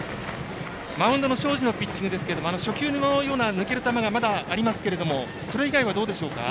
マウンドの庄司のピッチングですが初回のような抜ける球がまだありますがそれ以外はどうでしょうか。